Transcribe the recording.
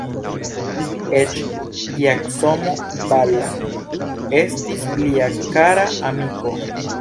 Eĉ Giacomo Balla, estis lia kara amiko.